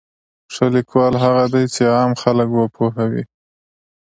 ښه لیکوال هغه دی چې عام خلک وپوهوي.